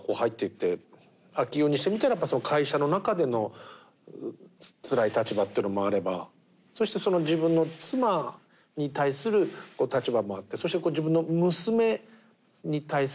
昭夫にしてみたら会社の中でのつらい立場っていうのもあればそしてその自分の妻に対する立場もあってそして自分の娘に対する昭夫の顔っていうのもある。